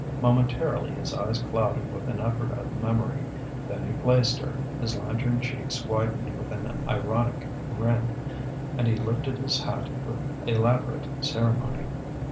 Momentarily his eyes clouded with an effort of memory; then he placed her, his lantern cheeks widened with an ironic grin, and he lifted his hat with elaborate ceremony.